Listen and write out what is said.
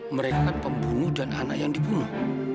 mereka kan pembunuh dan anak yang dibunuh